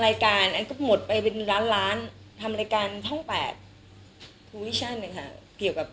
รายการอันก็หมดไปเป็นล้านล้านทำรายการท่องแปดค่ะเกี่ยวกับ